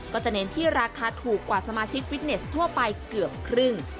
เน้นที่ราคาถูกกว่าสมาชิกฟิตเนสทั่วไปเกือบครึ่ง